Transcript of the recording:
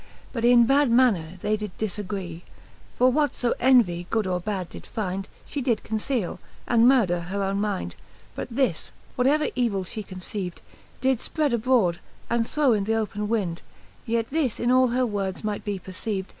But in bad maner they did difagree ; For what fo Envie good or bad did fynd^ She did conceale, and murder her owne mynd : But this, what ever evil 1 fhe conceived. Did fpred abroad, and throw in th*open wynd. Yet this in all her words might be perceived.